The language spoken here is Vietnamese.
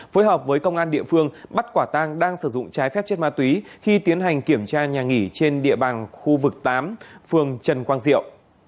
phối hợp với công an địa phương bắt quả tang đang sử dụng trái phép chất ma túy khi tiến hành kiểm tra nhà nghỉ trên địa bàn khu vực tám phường trần quang diệu